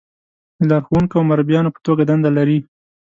د لارښونکو او مربیانو په توګه دنده لري.